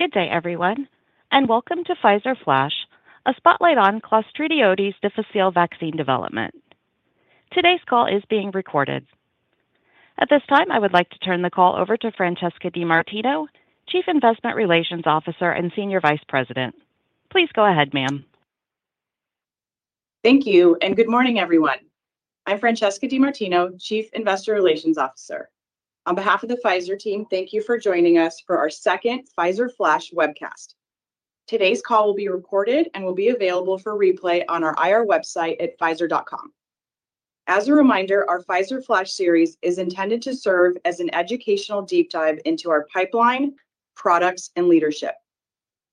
Good day, everyone, and welcome to Pfizer Flash, a spotlight on Clostridioides difficile vaccine development. Today's call is being recorded. At this time, I would like to turn the call over to Francesca DeMartino, Chief Investor Relations Officer and Senior Vice President. Please go ahead, ma'am. Thank you, and good morning, everyone. I'm Francesca DeMartino, Chief Investor Relations Officer. On behalf of the Pfizer team, thank you for joining us for our second Pfizer Flash webcast. Today's call will be recorded and will be available for replay on our IR website at pfizer.com. As a reminder, our Pfizer Flash series is intended to serve as an educational deep dive into our pipeline, products, and leadership.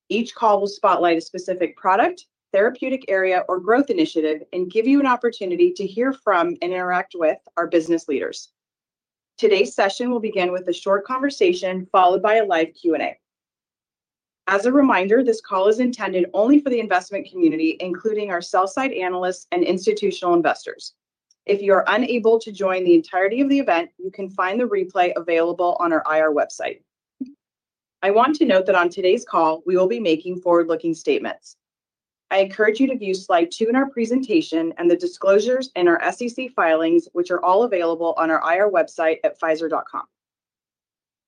Each call will spotlight a specific product, therapeutic area, or growth initiative and give you an opportunity to hear from and interact with our business leaders. Today's session will begin with a short conversation followed by a live Q&A. As a reminder, this call is intended only for the investment community, including our sell-side analysts and institutional investors. If you are unable to join the entirety of the event, you can find the replay available on our IR website. I want to note that on today's call, we will be making forward-looking statements. I encourage you to view slide two in our presentation and the disclosures in our SEC filings, which are all available on our IR website at pfizer.com.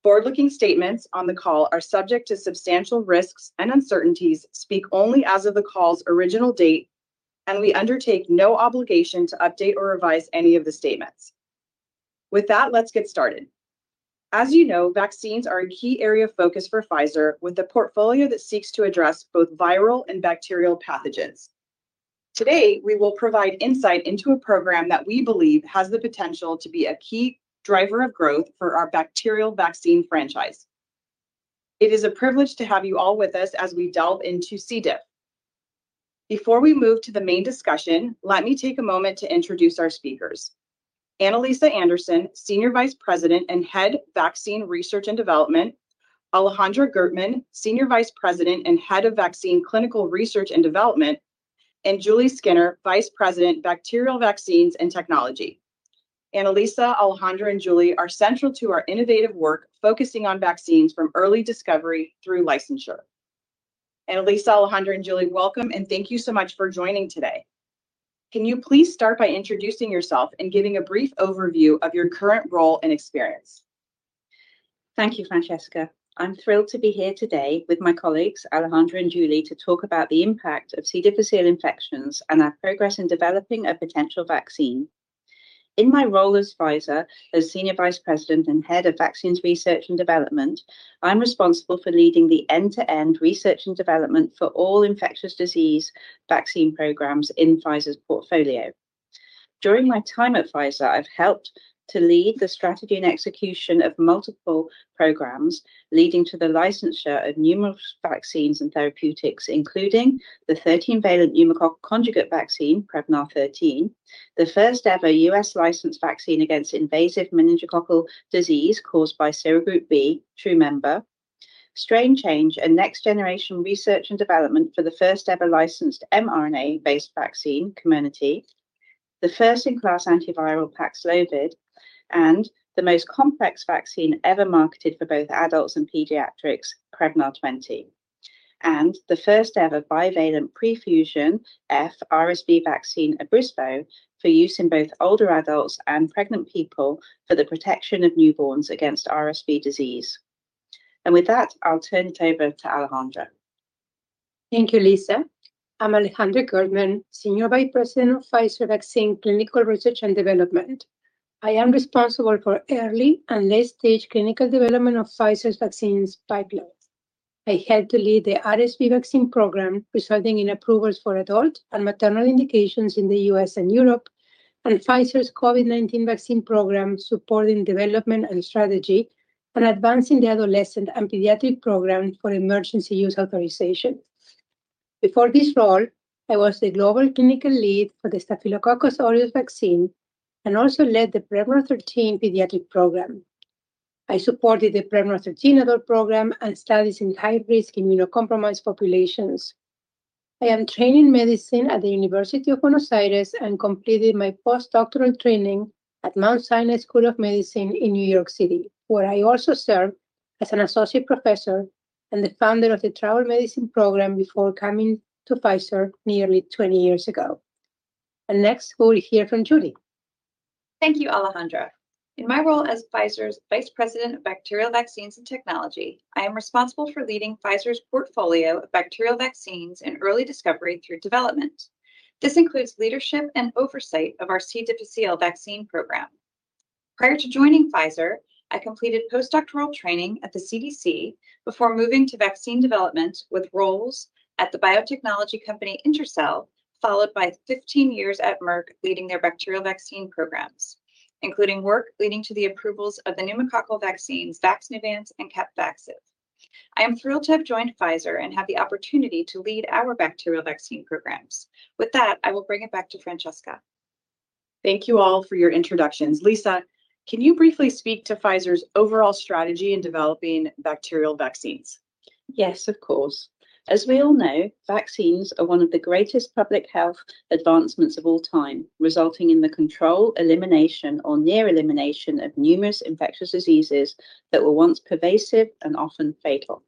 Forward-looking statements on the call are subject to substantial risks and uncertainties, speak only as of the call's original date, and we undertake no obligation to update or revise any of the statements. With that, let's get started. As you know, vaccines are a key area of focus for Pfizer, with a portfolio that seeks to address both viral and bacterial pathogens. Today, we will provide insight into a program that we believe has the potential to be a key driver of growth for our bacterial vaccine franchise. It is a privilege to have you all with us as we delve into C.diff. Before we move to the main discussion, let me take a moment to introduce our speakers: Annaliesa Anderson, Senior Vice President and Head Vaccine Research and Development; Alejandra Gurtman, Senior Vice President and Head of Vaccine Clinical Research and Development; and Julie Skinner, Vice President, Bacterial Vaccines and Technology. Annaliesa, Alejandra, and Julie are central to our innovative work focusing on vaccines from early discovery through licensure. Annaliesa, Alejandra, and Julie, welcome, and thank you so much for joining today. Can you please start by introducing yourself and giving a brief overview of your current role and experience? Thank you, Francesca. I'm thrilled to be here today with my colleagues, Alejandra and Julie, to talk about the impact of C. difficile infections and our progress in developing a potential vaccine. In my role at Pfizer, as Senior Vice President and Head of Vaccines Research and Development, I'm responsible for leading the end-to-end research and development for all infectious disease vaccine programs in Pfizer's portfolio. During my time at Pfizer, I've helped to lead the strategy and execution of multiple programs, leading to the licensure of numerous vaccines and therapeutics, including the 13-valent pneumococcal conjugate vaccine, Prevnar 13, the first-ever U.S.-licensed vaccine against invasive meningococcal disease caused by serogroup B, Trumenba, strain change and next-generation research and development for the first-ever licensed mRNA-based vaccine, Comirnaty, the first-in-class antiviral Paxlovid, and the most complex vaccine ever marketed for both adults and pediatrics, Prevnar 20, and the first-ever bivalent prefusion F RSV vaccine, Abrysvo, for use in both older adults and pregnant people for the protection of newborns against RSV disease. And with that, I'll turn it over to Alejandra. Thank you, Lisa. I'm Alejandra Gurtman, Senior Vice President of Pfizer Vaccine Clinical Research and Development. I am responsible for early and late-stage clinical development of Pfizer's vaccines pipeline. I help to lead the RSV vaccine program, resulting in approvals for adult and maternal indications in the U.S. and Europe, and Pfizer's COVID-19 vaccine program, supporting development and strategy, and advancing the adolescent and pediatric program for emergency use authorization. Before this role, I was the global clinical lead for the Staphylococcus aureus vaccine and also led the Prevnar 13 pediatric program. I supported the Prevnar 13 adult program and studies in high-risk immunocompromised populations. I am trained in medicine at the University of Buenos Aires and completed my postdoctoral training at Mount Sinai School of Medicine in New York City, where I also served as an associate professor and the founder of the travel medicine program before coming to Pfizer nearly 20 years ago. And next, we'll hear from Julie. Thank you, Alejandra. In my role as Pfizer's Vice President of Bacterial Vaccines and Technology, I am responsible for leading Pfizer's portfolio of bacterial vaccines in early discovery through development. This includes leadership and oversight of our C. difficile vaccine program. Prior to joining Pfizer, I completed postdoctoral training at the CDC before moving to vaccine development with roles at the biotechnology company Intercell, followed by 15 years at Merck leading their bacterial vaccine programs, including work leading to the approvals of the pneumococcal vaccines Vaxneuvance and Capvaxive. I am thrilled to have joined Pfizer and have the opportunity to lead our bacterial vaccine programs. With that, I will bring it back to Francesca. Thank you all for your introductions. Lisa, can you briefly speak to Pfizer's overall strategy in developing bacterial vaccines? Yes, of course. As we all know, vaccines are one of the greatest public health advancements of all time, resulting in the control, elimination, or near elimination of numerous infectious diseases that were once pervasive and often fatal.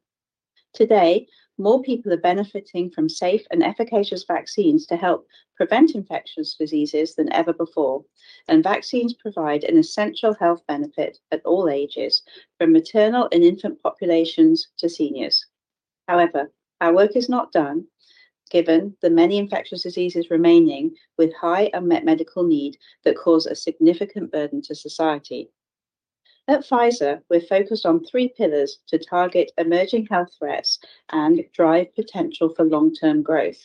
Today, more people are benefiting from safe and efficacious vaccines to help prevent infectious diseases than ever before, and vaccines provide an essential health benefit at all ages, from maternal and infant populations to seniors. However, our work is not done, given the many infectious diseases remaining with high unmet medical need that cause a significant burden to society. At Pfizer, we're focused on three pillars to target emerging health threats and drive potential for long-term growth.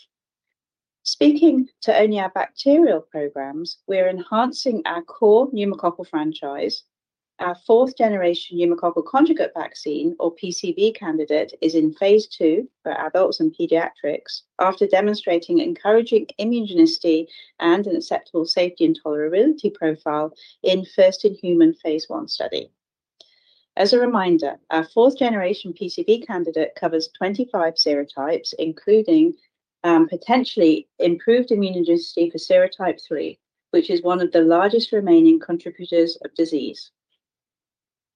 Speaking to only our bacterial programs, we're enhancing our core pneumococcal franchise. Our fourth-generation pneumococcal conjugate vaccine, or PCV, candidate is in Phase 2 for adults and pediatrics after demonstrating encouraging immunogenicity and an acceptable safety and tolerability profile in first-in-human Phase 1 study. As a reminder, our fourth-generation PCV candidate covers 25 serotypes, including potentially improved immunogenicity for serotype 3, which is one of the largest remaining contributors of disease.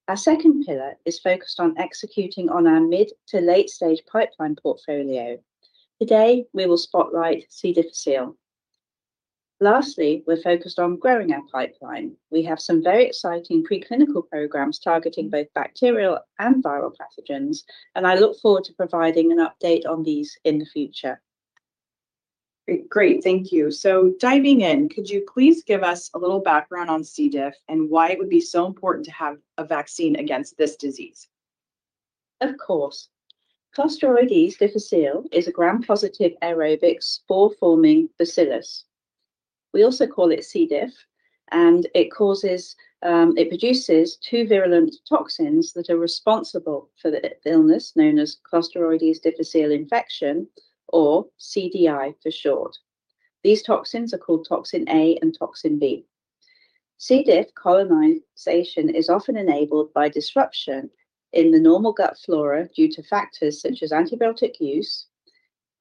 Our second pillar is focused on executing on our mid-to-late-stage pipeline portfolio. Today, we will spotlight C. difficile. Lastly, we're focused on growing our pipeline. We have some very exciting preclinical programs targeting both bacterial and viral pathogens, and I look forward to providing an update on these in the future. Great, thank you. So diving in, could you please give us a little background on C. diff and why it would be so important to have a vaccine against this disease? Of course. Clostridioides difficile is a Gram-positive anaerobe spore-forming bacillus. We also call it C. diff, and it produces two virulent toxins that are responsible for the illness known as Clostridioides difficile infection, or CDI for short. These toxins are called Toxin A and Toxin B. C. diff colonization is often enabled by disruption in the normal gut flora due to factors such as antibiotic use,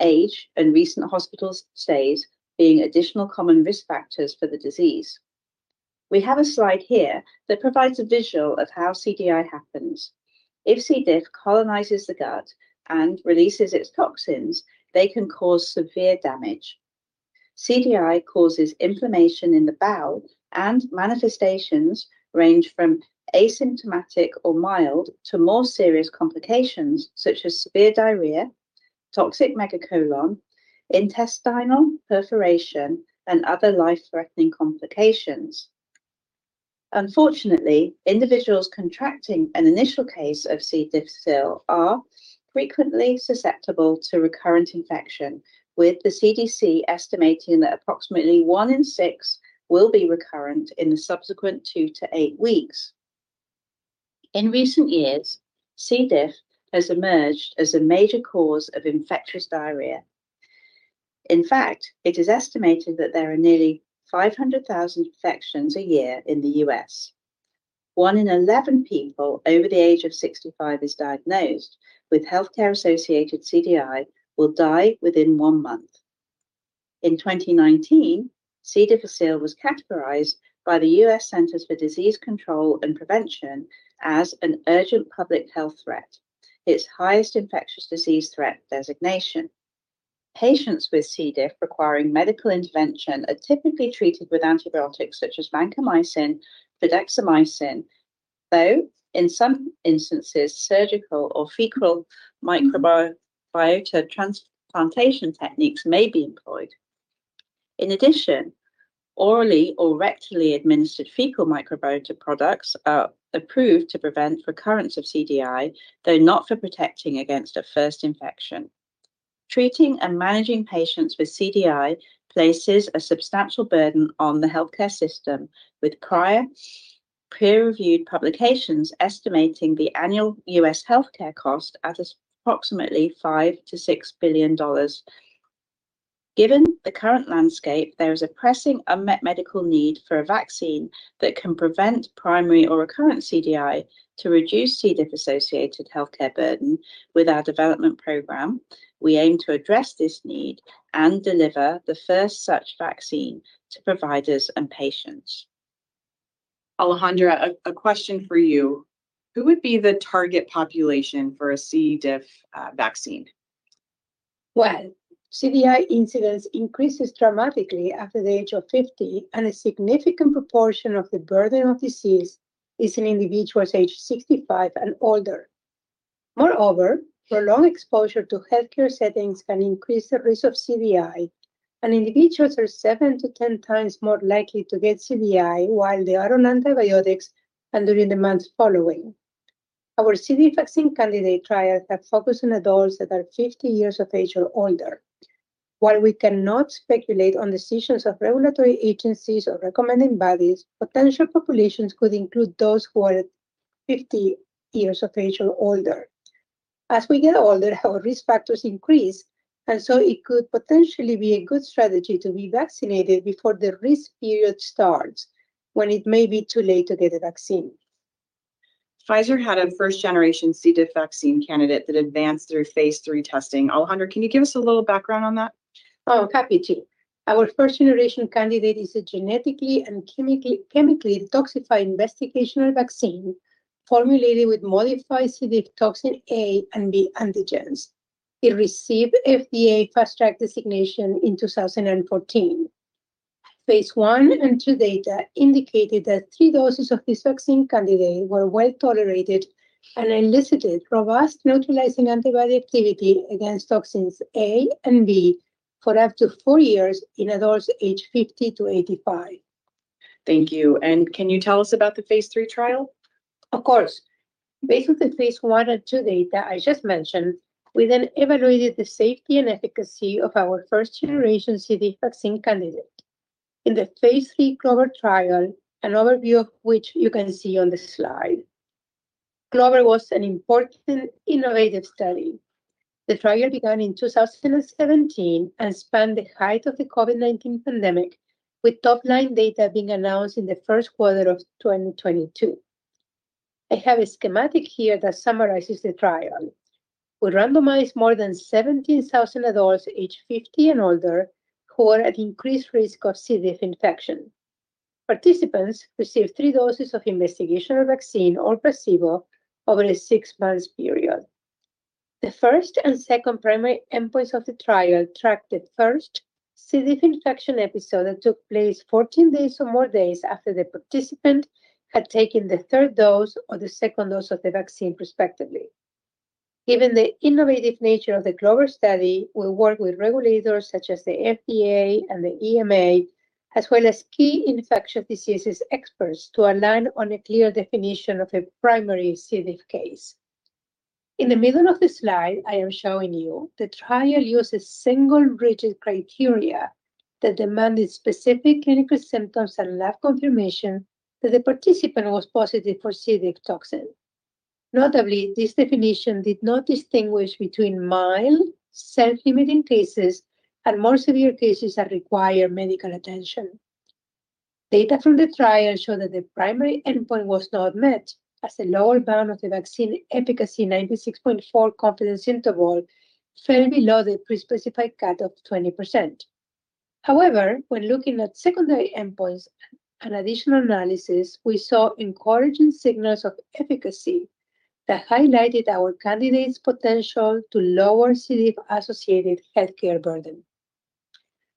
age, and recent hospital stays, being additional common risk factors for the disease. We have a slide here that provides a visual of how CDI happens. If C. diff colonizes the gut and releases its toxins, they can cause severe damage. CDI causes inflammation in the bowel, and manifestations range from asymptomatic or mild to more serious complications such as severe diarrhea, toxic megacolon, intestinal perforation, and other life-threatening complications. Unfortunately, individuals contracting an initial case of C. difficile are frequently susceptible to recurrent infection, with the CDC estimating that approximately one in six will be recurrent in the subsequent two to eight weeks. In recent years, C. diff has emerged as a major cause of infectious diarrhea. In fact, it is estimated that there are nearly 500,000 infections a year in the U.S. One in 11 people over the age of 65 is diagnosed with healthcare-associated CDI will die within one month. In 2019, C. difficile was categorized by the U.S. Centers for Disease Control and Prevention as an urgent public health threat, its highest infectious disease threat designation. Patients with C. diff requiring medical intervention are typically treated with antibiotics such as vancomycin, fidaxomicin, though in some instances, surgical or fecal microbiota transplantation techniques may be employed. In addition, orally or rectally administered fecal microbiota products are approved to prevent recurrence of CDI, though not for protecting against a first infection. Treating and managing patients with CDI places a substantial burden on the healthcare system, with prior peer-reviewed publications estimating the annual U.S. healthcare cost at approximately $5-$6 billion. Given the current landscape, there is a pressing unmet medical need for a vaccine that can prevent primary or recurrent CDI to reduce C. diff-associated healthcare burden. With our development program, we aim to address this need and deliver the first such vaccine to providers and patients. Alejandra, a question for you. Who would be the target population for a C. diff vaccine? CDI incidence increases dramatically after the age of 50, and a significant proportion of the burden of disease is in individuals aged 65 and older. Moreover, prolonged exposure to healthcare settings can increase the risk of CDI, and individuals are seven to ten times more likely to get CDI while they are on antibiotics and during the months following. Our C. diff vaccine candidate trials have focused on adults that are 50 years of age or older. While we cannot speculate on decisions of regulatory agencies or recommending bodies, potential populations could include those who are 50 years of age or older. As we get older, our risk factors increase, and so it could potentially be a good strategy to be vaccinated before the risk period starts, when it may be too late to get a vaccine. Pfizer had a first-generation C. diff vaccine candidate that advanced through Phase 3 testing. Alejandra, can you give us a little background on that? Oh, happy to. Our first-generation candidate is a genetically and chemically detoxified investigational vaccine formulated with modified C. diff toxin A and B antigens. It received FDA Fast Track designation in 2014. Phase 1 and two data indicated that three doses of this vaccine candidate were well tolerated and elicited robust neutralizing antibody activity against toxins A and B for up to four years in adults aged 50-85. Thank you, and can you tell us about the Phase 3 trial? Of course. Based on the Phase 1 and two data I just mentioned, we then evaluated the safety and efficacy of our first-generation C. diff vaccine candidate. In the Phase 3 CLOVER trial, an overview of which you can see on the slide, CLOVER was an important innovative study. The trial began in 2017 and spanned the height of the COVID-19 pandemic, with top-line data being announced in the first quarter of 2022. I have a schematic here that summarizes the trial. We randomized more than 17,000 adults aged 50 and older who were at increased risk of C. diff infection. Participants received three doses of investigational vaccine or placebo over a six-month period. The first and second primary endpoints of the trial tracked the first C. diff infection episode that took place 14 or more days after the participant had taken the third dose or the second dose of the vaccine, respectively. Given the innovative nature of the CLOVER study, we worked with regulators such as the FDA and the EMA, as well as key infectious diseases experts to align on a clear definition of a primary C. diff case. In the middle of the slide, I am showing you the trial used a single rigid criteria that demanded specific clinical symptoms and lab confirmation that the participant was positive for C. diff toxin. Notably, this definition did not distinguish between mild, self-limiting cases and more severe cases that require medical attention. Data from the trial showed that the primary endpoint was not met, as the lower bound of the vaccine efficacy 96.4 confidence interval fell below the pre-specified cut of 20%. However, when looking at secondary endpoints and additional analysis, we saw encouraging signals of efficacy that highlighted our candidate's potential to lower C. diff-associated healthcare burden.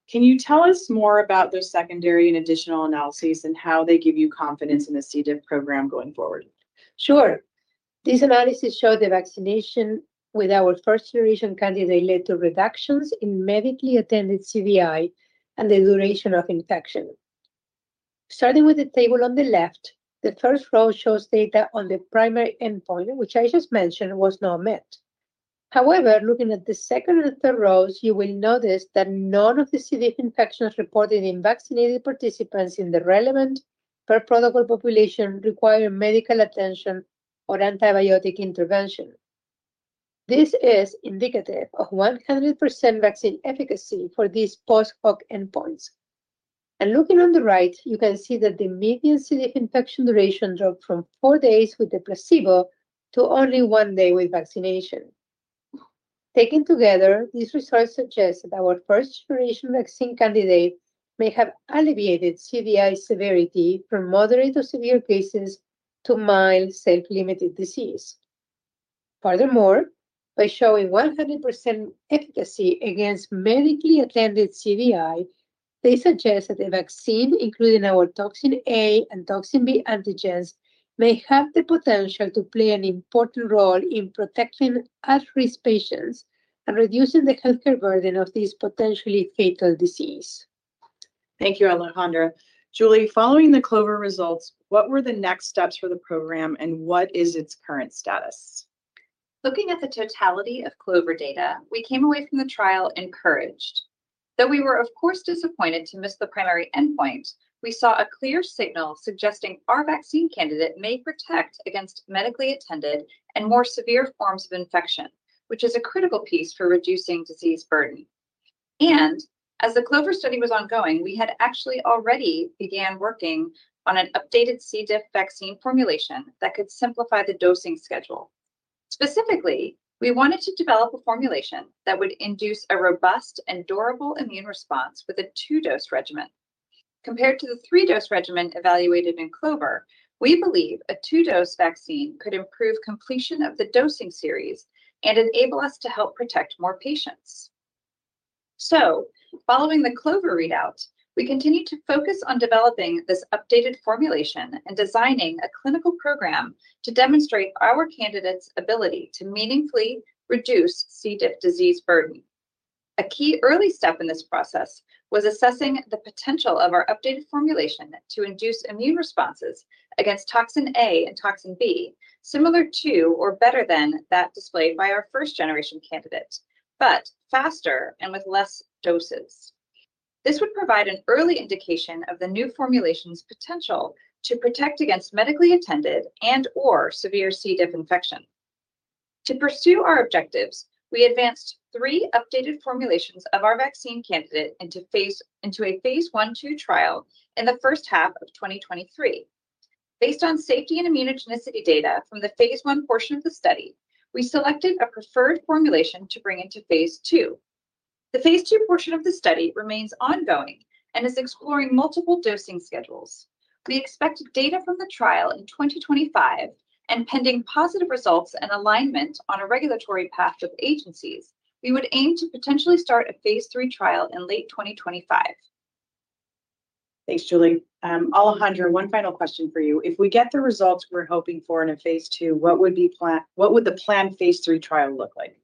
Can you tell us more about those secondary and additional analyses and how they give you confidence in the C. diff program going forward? Sure. These analyses show the vaccination with our first-generation candidate led to reductions in medically attended CDI and the duration of infection. Starting with the table on the left, the first row shows data on the primary endpoint, which I just mentioned was not met. However, looking at the second and third rows, you will notice that none of the C. diff infections reported in vaccinated participants in the relevant per protocol population require medical attention or antibiotic intervention. This is indicative of 100% vaccine efficacy for these post-hoc endpoints. And looking on the right, you can see that the median C. diff infection duration dropped from four days with the placebo to only one day with vaccination. Taken together, these results suggest that our first-generation vaccine candidate may have alleviated CDI severity from moderate to severe cases to mild, self-limited disease. Furthermore, by showing 100% efficacy against medically attended CDI, they suggest that the vaccine, including our Toxin A and Toxin B antigens, may have the potential to play an important role in protecting at-risk patients and reducing the healthcare burden of this potentially fatal disease. Thank you, Alejandra. Julie, following the CLOVER results, what were the next steps for the program, and what is its current status? Looking at the totality of CLOVER data, we came away from the trial encouraged. Though we were, of course, disappointed to miss the primary endpoint, we saw a clear signal suggesting our vaccine candidate may protect against medically attended and more severe forms of infection, which is a critical piece for reducing disease burden. As the CLOVER study was ongoing, we had actually already begun working on an updated C. diff vaccine formulation that could simplify the dosing schedule. Specifically, we wanted to develop a formulation that would induce a robust and durable immune response with a two-dose regimen. Compared to the three-dose regimen evaluated in CLOVER, we believe a two-dose vaccine could improve completion of the dosing series and enable us to help protect more patients. Following the CLOVER readout, we continue to focus on developing this updated formulation and designing a clinical program to demonstrate our candidate's ability to meaningfully reduce C. diff disease burden. A key early step in this process was assessing the potential of our updated formulation to induce immune responses against Toxin A and Toxin B, similar to or better than that displayed by our first-generation candidate, but faster and with less doses. This would provide an early indication of the new formulation's potential to protect against medically attended and/or severe C. diff infection. To pursue our objectives, we advanced three updated formulations of our vaccine candidate into a Phase 1/2 trial in the first half of 2023. Based on safety and immunogenicity data from the Phase 1 portion of the study, we selected a preferred formulation to bring into Phase 2. The Phase 2 portion of the study remains ongoing and is exploring multiple dosing schedules. We expect data from the trial in 2025, and pending positive results and alignment on a regulatory path with agencies, we would aim to potentially start a Phase 3 trial in late 2025. Thanks, Julie. Alejandra, one final question for you. If we get the results we're hoping for in a Phase 2, what would the planned Phase 3 trial look like?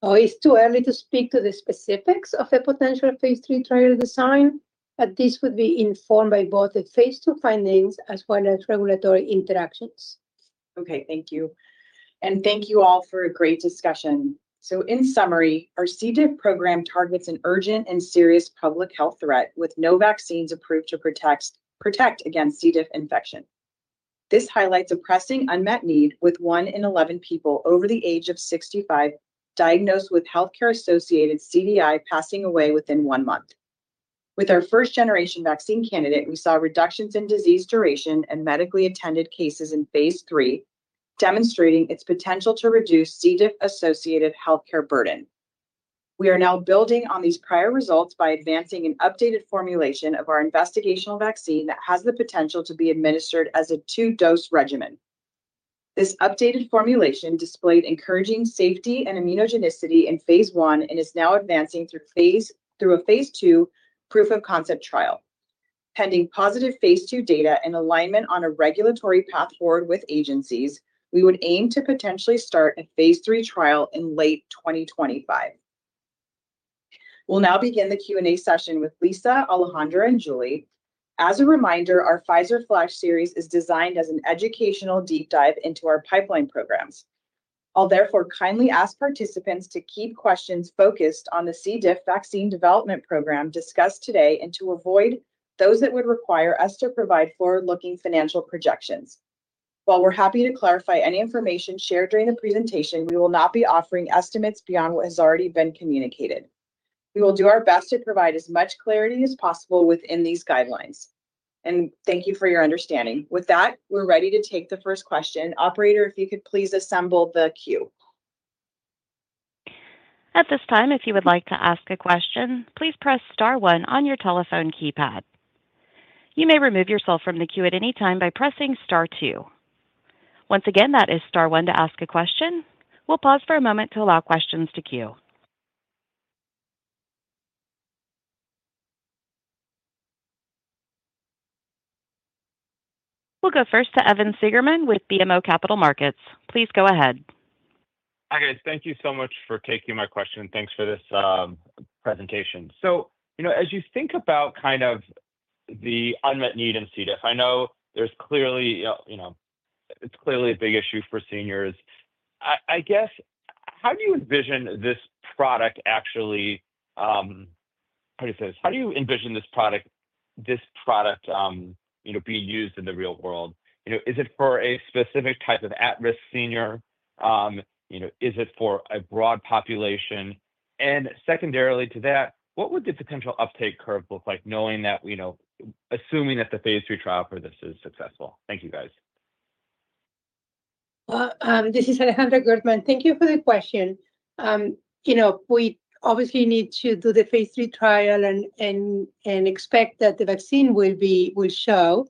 Oh, it's too early to speak to the specifics of a potential Phase 3 trial design, but this would be informed by both the Phase 2 findings as well as regulatory interactions. Okay, thank you. And thank you all for a great discussion. So, in summary, our C. diff program targets an urgent and serious public health threat with no vaccines approved to protect against C. diff infection. This highlights a pressing unmet need with one in 11 people over the age of 65 diagnosed with healthcare-associated CDI passing away within one month. With our first-generation vaccine candidate, we saw reductions in disease duration and medically attended cases in Phase 3, demonstrating its potential to reduce C. diff-associated healthcare burden. We are now building on these prior results by advancing an updated formulation of our investigational vaccine that has the potential to be administered as a two-dose regimen. This updated formulation displayed encouraging safety and immunogenicity in Phase 1 and is now advancing through a Phase 2 proof of concept trial. Pending positive Phase 2 data and alignment on a regulatory path forward with agencies, we would aim to potentially start a Phase 3 trial in late 2025. We'll now begin the Q&A session with Lisa, Alejandra, and Julie. As a reminder, our Pfizer Flash series is designed as an educational deep dive into our pipeline programs. I'll therefore kindly ask participants to keep questions focused on the C. diff vaccine development program discussed today and to avoid those that would require us to provide forward-looking financial projections. While we're happy to clarify any information shared during the presentation, we will not be offering estimates beyond what has already been communicated. We will do our best to provide as much clarity as possible within these guidelines. And thank you for your understanding. With that, we're ready to take the first question. Operator, if you could please assemble the queue. At this time, if you would like to ask a question, please press star one on your telephone keypad. You may remove yourself from the queue at any time by pressing star two. Once again, that is star one to ask a question. We'll pause for a moment to allow questions to queue. We'll go first to Evan Seigerman with BMO Capital Markets. Please go ahead. Hi, guys. Thank you so much for taking my question. Thanks for this presentation. So, you know, as you think about kind of the unmet need in C. diff, I know there's clearly, you know, it's clearly a big issue for seniors. I guess, how do you envision this product actually, how do you envision this product, you know, being used in the real world? You know, is it for a specific type of at-risk senior? You know, is it for a broad population? And secondarily to that, what would the potential uptake curve look like knowing that, you know, assuming that the Phase 3 trial for this is successful? Thank you, guys. This is Alejandra Gurtman. Thank you for the question. You know, we obviously need to do the Phase 3 trial and expect that the vaccine will show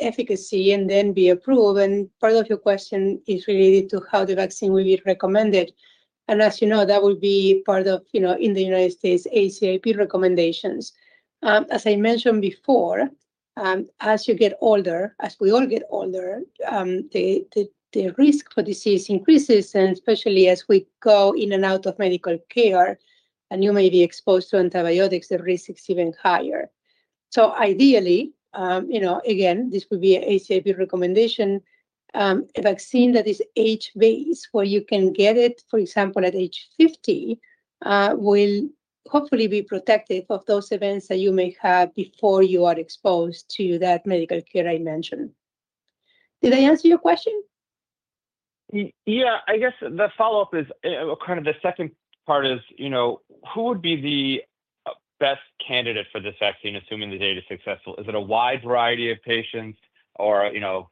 efficacy and then be approved. And part of your question is related to how the vaccine will be recommended. And as you know, that will be part of, you know, in the United States, ACIP recommendations. As I mentioned before, as you get older, as we all get older, the risk for disease increases, and especially as we go in and out of medical care and you may be exposed to antibiotics, the risk is even higher. So ideally, you know, again, this would be an ACIP recommendation, a vaccine that is age-based where you can get it, for example, at age 50, will hopefully be protective of those events that you may have before you are exposed to that medical care I mentioned. Did I answer your question? Yeah, I guess the follow-up is kind of the second part is, you know, who would be the best candidate for this vaccine, assuming the data is successful? Is it a wide variety of patients or, you know,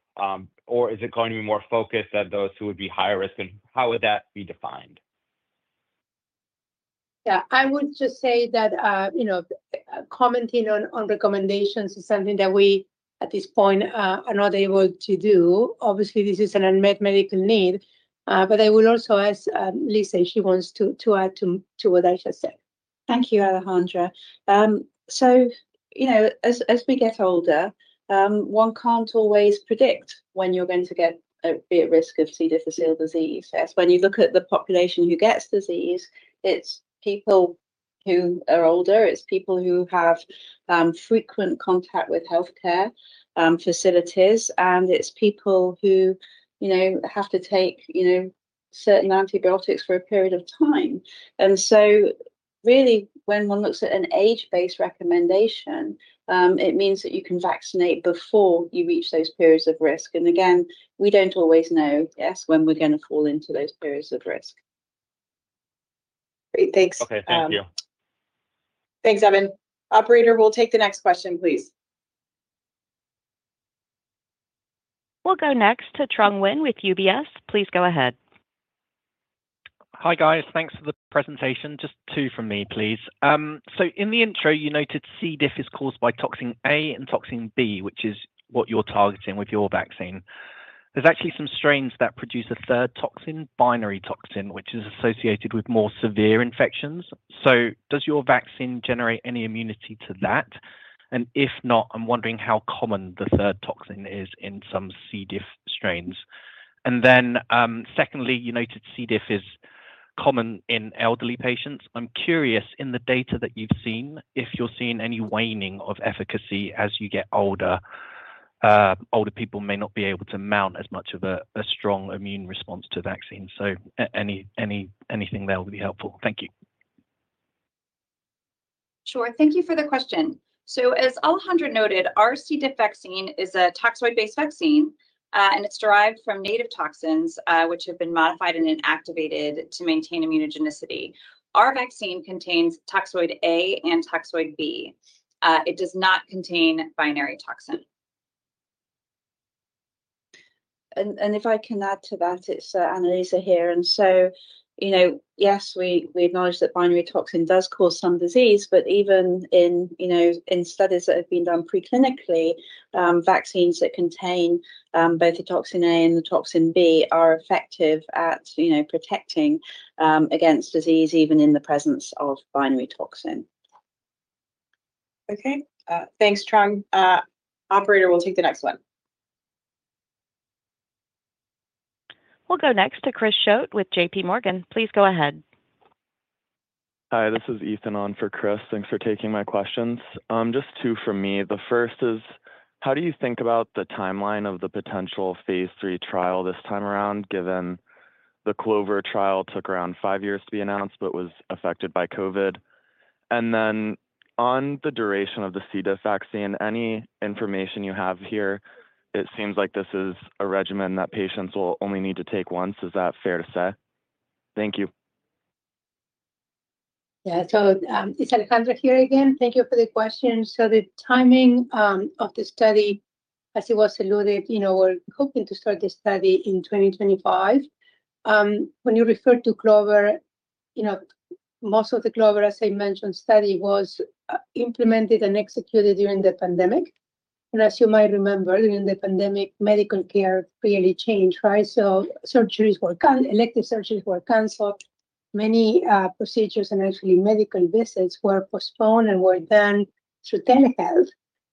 or is it going to be more focused at those who would be higher risk? And how would that be defined? Yeah, I would just say that, you know, commenting on recommendations is something that we at this point are not able to do. Obviously, this is an unmet medical need. But I will also ask Annaliesa, if she wants to add to what I just said. Thank you, Alejandra. So, you know, as we get older, one can't always predict when you're going to be at risk of C. difficile disease. When you look at the population who gets disease, it's people who are older, it's people who have frequent contact with healthcare facilities, and it's people who, you know, have to take, you know, certain antibiotics for a period of time. And so really, when one looks at an age-based recommendation, it means that you can vaccinate before you reach those periods of risk. Again, we don't always know, yes, when we're going to fall into those periods of risk. Great, thanks. Okay, thank you. Thanks, Evan. Operator, we'll take the next question, please. We'll go next to Trung Huynh with UBS. Please go ahead. Hi guys, thanks for the presentation. Just two from me, please. So in the intro, you noted C. diff is caused by toxin A and toxin B, which is what you're targeting with your vaccine. There's actually some strains that produce a third toxin, binary toxin, which is associated with more severe infections. So does your vaccine generate any immunity to that? And if not, I'm wondering how common the third toxin is in some C. diff strains. And then secondly, you noted C. diff is common in elderly patients. I'm curious, in the data that you've seen, if you're seeing any waning of efficacy as you get older, older people may not be able to mount as much of a strong immune response to vaccine. So anything there would be helpful. Thank you. Sure, thank you for the question. So as Alejandra noted, our C. diff vaccine is a toxoid-based vaccine, and it's derived from native toxins, which have been modified and inactivated to maintain immunogenicity. Our vaccine contains toxoid A and toxoid B. It does not contain Binary Toxin. And if I can add to that, it's Annaliesa here. And so, you know, yes, we acknowledge that Binary Toxin does cause some disease, but even in, you know, in studies that have been done preclinically, vaccines that contain both the Toxin A and the Toxin B are effective at, you know, protecting against disease even in the presence of Binary Toxin. Okay, thanks, Trung. Operator, we'll take the next one. We'll go next to Christopher Schott with JP Morgan. Please go ahead. Hi, this is Ethan on for Chris. Thanks for taking my questions. Just two from me. The first is, how do you think about the timeline of the potential Phase 3 trial this time around, given the CLOVER trial took around five years to be announced, but was affected by COVID? And then on the duration of the C. diff vaccine, any information you have here, it seems like this is a regimen that patients will only need to take once. Is that fair to say? Thank you. Yeah, so it's Alejandra here again. Thank you for the question, so the timing of the study, as it was alluded, you know, we're hoping to start this study in 2025. When you refer to Clover, you know, most of the Clover, as I mentioned, study was implemented and executed during the pandemic, and as you might remember, during the pandemic, medical care really changed, right? So surgeries were canceled, elective surgeries were canceled, many procedures and actually medical visits were postponed and were done through telehealth.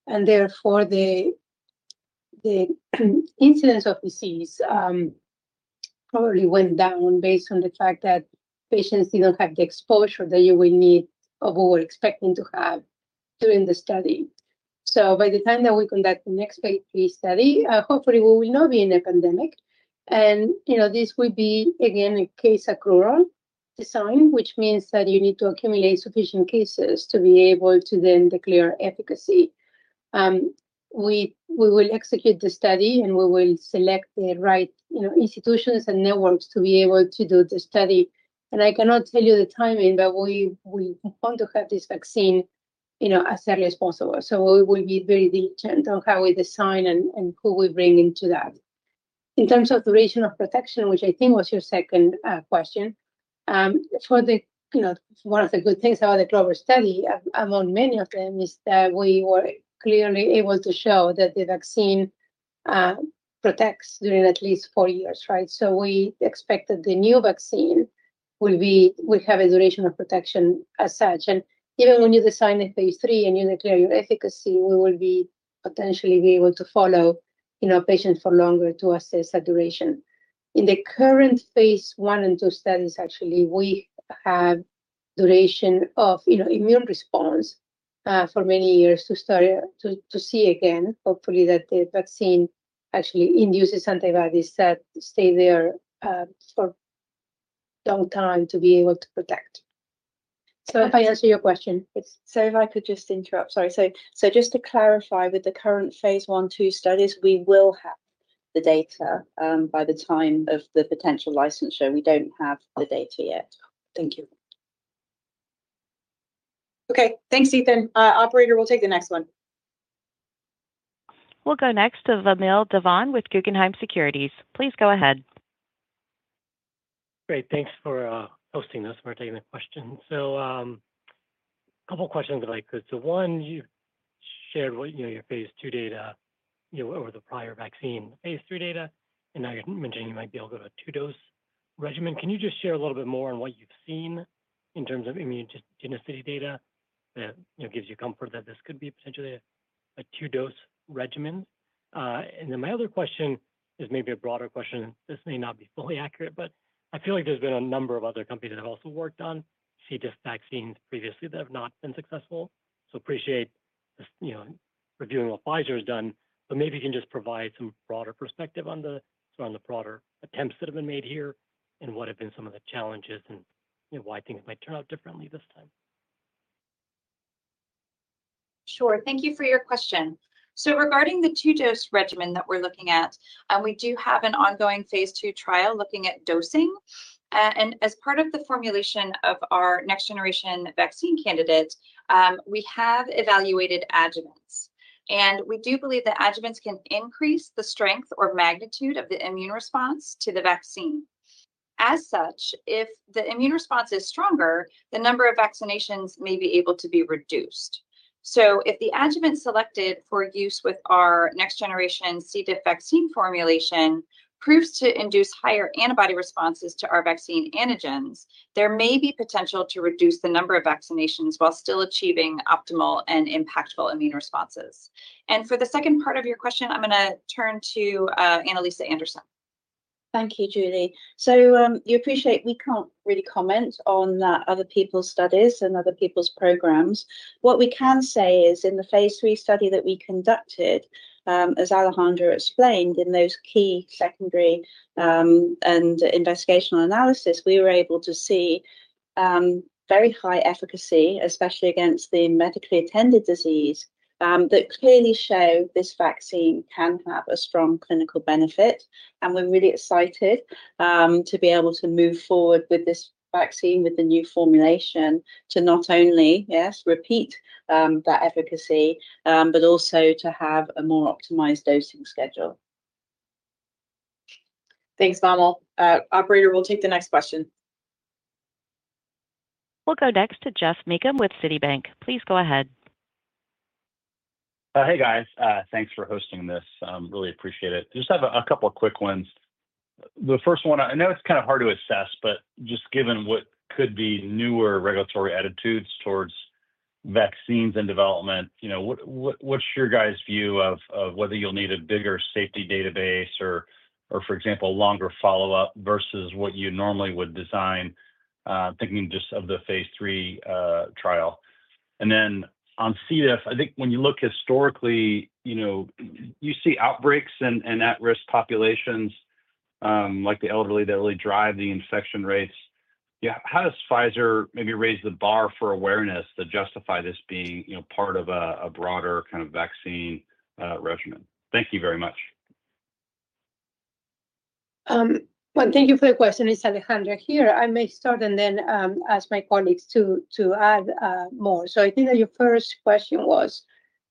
And therefore, the incidence of disease probably went down based on the fact that patients didn't have the exposure that you will need or were expecting to have during the study, so by the time that we conduct the next Phase 3 study, hopefully we will not be in a pandemic. You know, this would be, again, a case accrual design, which means that you need to accumulate sufficient cases to be able to then declare efficacy. We will execute the study and we will select the right, you know, institutions and networks to be able to do the study. I cannot tell you the timing, but we want to have this vaccine, you know, as early as possible. We will be very diligent on how we design and who we bring into that. In terms of duration of protection, which I think was your second question, for the, you know, one of the good things about the Clover study, among many of them, is that we were clearly able to show that the vaccine protects during at least four years, right? We expect that the new vaccine will have a duration of protection as such. And even when you design a Phase 3 and you declare your efficacy, we will potentially be able to follow, you know, patients for longer to assess that duration. In the current Phase 1 and two studies, actually, we have duration of, you know, immune response for many years to start to see again, hopefully that the vaccine actually induces antibodies that stay there for a long time to be able to protect. So if I answer your question, it's. So if I could just interrupt, sorry. So just to clarify, with the current Phase 1 and two studies, we will have the data by the time of the potential licensure. We don't have the data yet. Thank you. Okay, thanks, Ethan. Operator, we'll take the next one. We'll go next to Vamil Divan with Guggenheim Securities. Please go ahead. Great, thanks for hosting this. We're taking the question. So a couple of questions that I could. So one, you shared what, you know, your Phase 2 data, you know, over the prior vaccine, Phase 3 data, and now you're mentioning you might be able to go to a two-dose regimen. Can you just share a little bit more on what you've seen in terms of immunogenicity data that, you know, gives you comfort that this could be potentially a two-dose regimen? And then my other question is maybe a broader question. This may not be fully accurate, but I feel like there's been a number of other companies that have also worked on C. diff vaccines previously that have not been successful. So, appreciate, you know, reviewing what Pfizer has done, but maybe you can just provide some broader perspective on the sort of on the broader attempts that have been made here and what have been some of the challenges and, you know, why things might turn out differently this time. Sure, thank you for your question. So regarding the two-dose regimen that we're looking at, we do have an ongoing Phase 2 trial looking at dosing. And as part of the formulation of our next generation vaccine candidate, we have evaluated adjuvants. And we do believe that adjuvants can increase the strength or magnitude of the immune response to the vaccine. As such, if the immune response is stronger, the number of vaccinations may be able to be reduced. So if the adjuvant selected for use with our next generation C. diff vaccine formulation proves to induce higher antibody responses to our vaccine antigens, there may be potential to reduce the number of vaccinations while still achieving optimal and impactful immune responses. And for the second part of your question, I'm going to turn to Annaliesa Anderson. Thank you, Julie. So you appreciate we can't really comment on other people's studies and other people's programs. What we can say is in the Phase 3 study that we conducted, as Alejandra explained, in those key secondary and investigational analysis, we were able to see very high efficacy, especially against the medically attended disease, that clearly show this vaccine can have a strong clinical benefit. And we're really excited to be able to move forward with this vaccine with the new formulation to not only, yes, repeat that efficacy, but also to have a more optimized dosing schedule. Thanks, Vamil. Operator, we'll take the next question. We'll go next to Geoff Meacham with Citibank. Please go ahead. Hey, guys. Thanks for hosting this. Really appreciate it. Just have a couple of quick ones. The first one, I know it's kind of hard to assess, but just given what could be newer regulatory attitudes towards vaccines and development, you know, what's your guys' view of whether you'll need a bigger safety database or, for example, longer follow-up versus what you normally would design, thinking just of the Phase 3 trial? And then on C. diff, I think when you look historically, you know, you see outbreaks and at-risk populations like the elderly that really drive the infection rates. Yeah, how does Pfizer maybe raise the bar for awareness to justify this being, you know, part of a broader kind of vaccine regimen? Thank you very much. Thank you for the question. It's Alejandra here. I may start and then ask my colleagues to add more. So I think that your first question was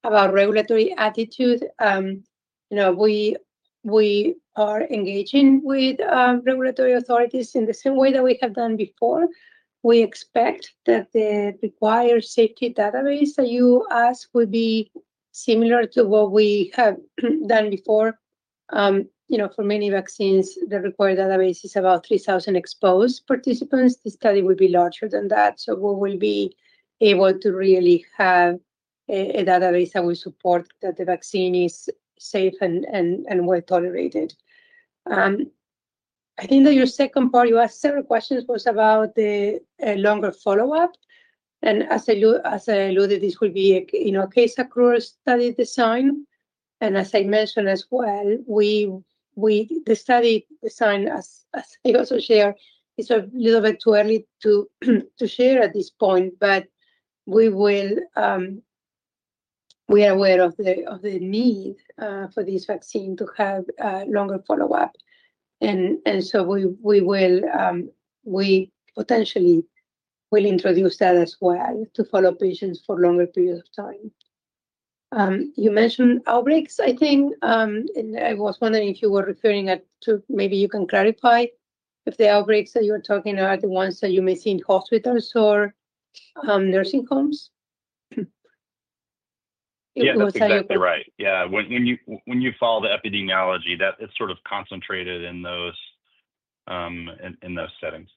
about regulatory attitude. You know, we are engaging with regulatory authorities in the same way that we have done before. We expect that the required safety database that you asked would be similar to what we have done before. You know, for many vaccines, the required database is about 3,000 exposed participants. This study will be larger than that. So we will be able to really have a database that will support that the vaccine is safe and well tolerated. I think that your second part, you asked several questions, was about the longer follow-up. As I alluded, this will be, you know, a case accrual study design. And as I mentioned as well, the study design, as I also share, it's a little bit too early to share at this point, but we will. We are aware of the need for this vaccine to have longer follow-up. And so we will. We potentially will introduce that as well to follow patients for a longer period of time. You mentioned outbreaks, I think, and I was wondering if you were referring to, maybe you can clarify if the outbreaks that you're talking are the ones that you may see in hospitals or nursing homes. Yeah, exactly right. Yeah, when you follow the epidemiology, that it's sort of concentrated in those settings.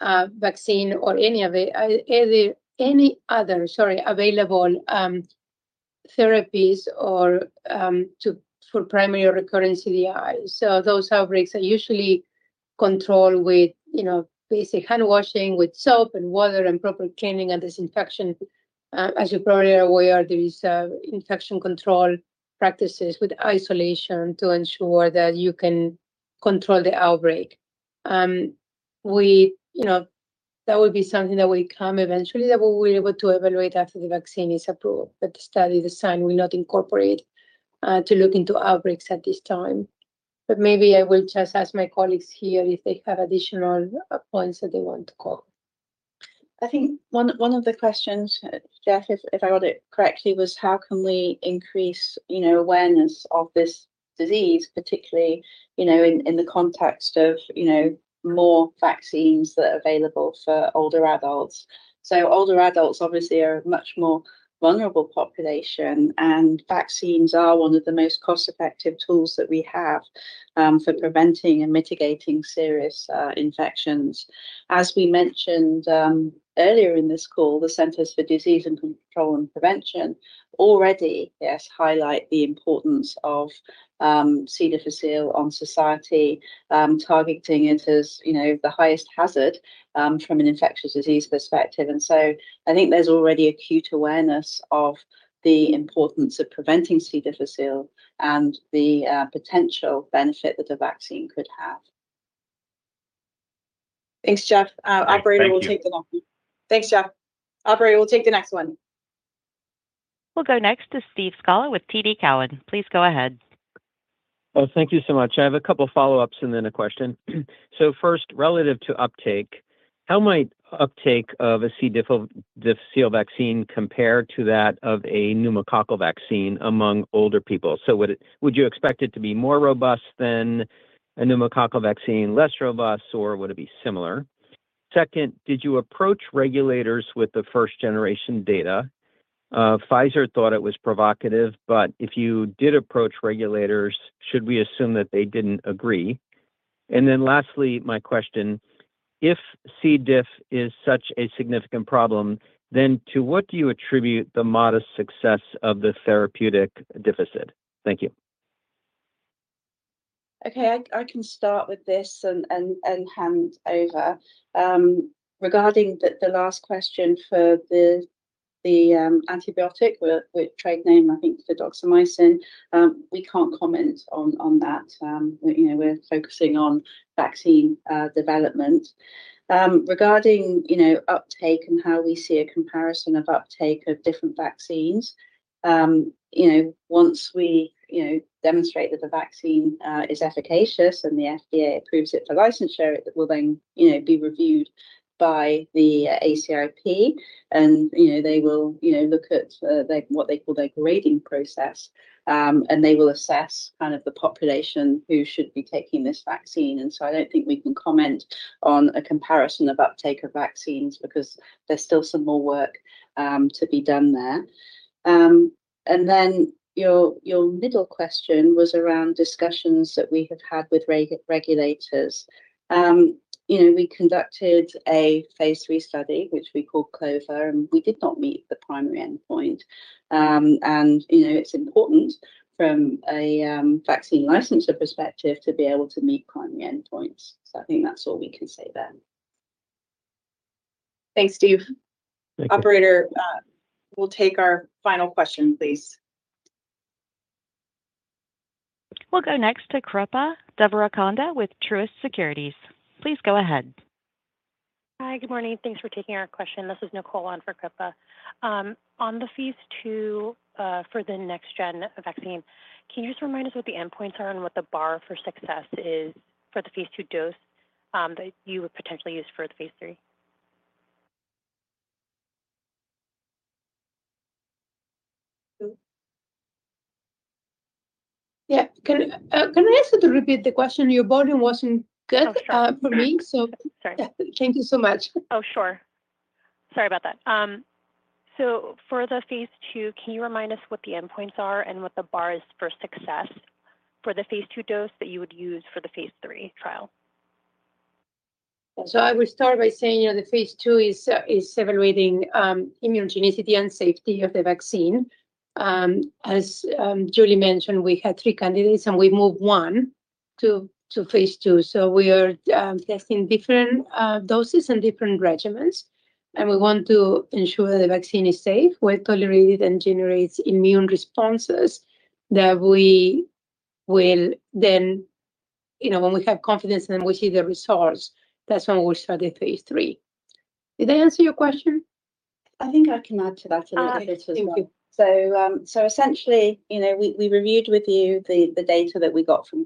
Yeah, so, you know, as you know, unfortunately, at the current time, there is no really any vaccine or any other, sorry, available therapies for primary or recurrent CDI. So those outbreaks are usually controlled with, you know, basic handwashing with soap and water and proper cleaning and disinfection. As you're probably aware, there is infection control practices with isolation to ensure that you can control the outbreak. We, you know, that will be something that will come eventually that we will be able to evaluate after the vaccine is approved, but the study design will not incorporate to look into outbreaks at this time. But maybe I will just ask my colleagues here if they have additional points that they want to cover. I think one of the questions, Geoff, if I got it correctly, was how can we increase, you know, awareness of this disease, particularly, you know, in the context of, you know, more vaccines that are available for older adults? So older adults obviously are a much more vulnerable population, and vaccines are one of the most cost-effective tools that we have for preventing and mitigating serious infections. As we mentioned earlier in this call, the Centers for Disease Control and Prevention already, yes, highlight the importance of C. difficile on society, targeting it as, you know, the highest hazard from an infectious disease perspective, and so I think there's already acute awareness of the importance of preventing C. difficile and the potential benefit that a vaccine could have. Thanks, Geoff. Operator, we'll take the next. Thanks, Geoff. Operator, we'll take the next one. We'll go next to Steve Scala with TD Cowen. Please go ahead. Thank you so much. I have a couple of follow-ups and then a question. So first, relative to uptake, how might uptake of a C. difficile vaccine compare to that of a pneumococcal vaccine among older people? So would you expect it to be more robust than a pneumococcal vaccine, less robust, or would it be similar? Second, did you approach regulators with the first-generation data? Pfizer thought it was provocative, but if you did approach regulators, should we assume that they didn't agree? And then lastly, my question, if C. diff is such a significant problem, then to what do you attribute the modest success of the Therapeutic Deficit? Thank you. Okay, I can start with this and hand over. Regarding the last question for the antibiotic, which trade name, I think, for doxycycline, we can't comment on that. You know, we're focusing on vaccine development. Regarding, you know, uptake and how we see a comparison of uptake of different vaccines, you know, once we, you know, demonstrate that the vaccine is efficacious and the FDA approves it for licensure, it will then, you know, be reviewed by the ACIP. And, you know, they will, you know, look at what they call their grading process, and they will assess kind of the population who should be taking this vaccine. And so I don't think we can comment on a comparison of uptake of vaccines because there's still some more work to be done there. And then your middle question was around discussions that we have had with regulators. You know, we conducted a Phase 3 study, which we called CLOVER, and we did not meet the primary endpoint, and you know, it's important from a vaccine licensure perspective to be able to meet primary endpoints, so I think that's all we can say there. Thanks, Steve. Operator, we'll take our final question, please. We'll go next to Kripa Devarakonda with Truist Securities. Please go ahead. Hi, good morning. Thanks for taking our question. This is Nicole on for Kripa. On the Phase 2 for the next gen vaccine, can you just remind us what the endpoints are and what the bar for success is for the Phase 2 dose that you would potentially use for the Phase 3? Yeah, can I ask you to repeat the question? Your volume wasn't good for me, so thank you so much. Oh, sure. Sorry about that. So for the Phase 2, can you remind us what the endpoints are and what the bar is for success for the Phase 2 dose that you would use for the Phase 3 trial? I will start by saying, you know, the Phase 2 is evaluating immunogenicity and safety of the vaccine. As Julie mentioned, we had three candidates, and we moved one to Phase 2. We are testing different doses and different regimens. We want to ensure that the vaccine is safe, well tolerated, and generates immune responses that we will then, you know, when we have confidence and we see the results, that's when we'll start the Phase 3. Did I answer your question? I think I can add to that a little bit as well. So essentially, you know, we reviewed with you the data that we got from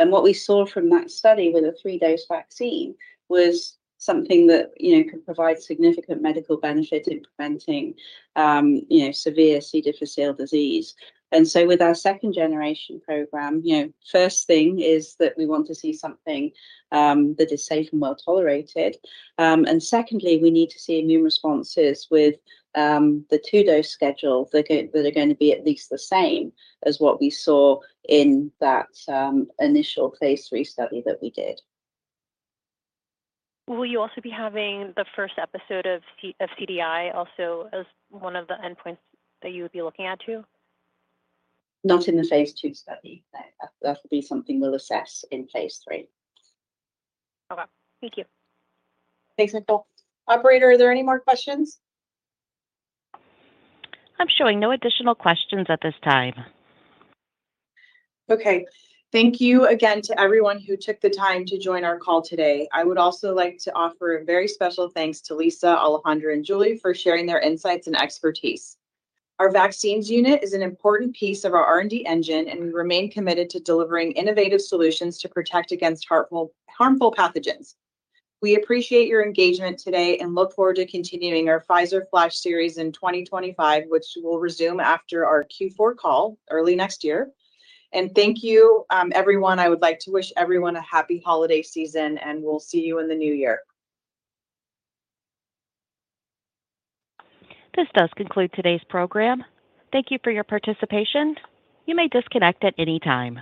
Clover. And what we saw from that study with a three-dose vaccine was something that, you know, could provide significant medical benefit in preventing, you know, severe C. difficile disease. And so with our second generation program, you know, first thing is that we want to see something that is safe and well tolerated. And secondly, we need to see immune responses with the two-dose schedule that are going to be at least the same as what we saw in that initial Phase 3 study that we did. Will you also be having the first episode of CDI also as one of the endpoints that you would be looking at too? Not in the Phase 2 study. That will be something we'll assess in Phase 3. Okay, thank you. Thanks, Kripa. Operator, are there any more questions? I'm showing no additional questions at this time. Okay, thank you again to everyone who took the time to join our call today. I would also like to offer a very special thanks to Lisa, Alejandra, and Julie for sharing their insights and expertise. Our vaccines unit is an important piece of our R&D engine and we remain committed to delivering innovative solutions to protect against harmful pathogens. We appreciate your engagement today and look forward to continuing our Pfizer Flash series in 2025, which will resume after our Q4 call early next year. And thank you, everyone. I would like to wish everyone a happy holiday season, and we'll see you in the new year. This does conclude today's program. Thank you for your participation. You may disconnect at any time.